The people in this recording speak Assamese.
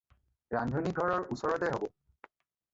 ৰান্ধনী ঘৰৰ ওচৰতে হ'ব।